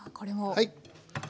はい。